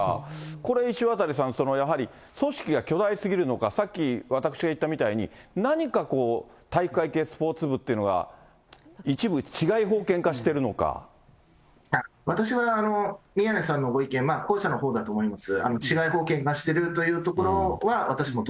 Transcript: これ、石渡さん、やはり組織が巨大すぎるのか、さっき私が言ったみたいに、何か体育会系スポーツ部というのは、私は宮根さんのご意見、後者のほうだと思います。